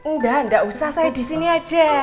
nggak nggak usah saya disini aja